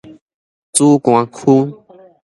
梓官區